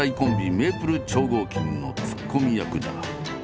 メイプル超合金のツッコミ役だ。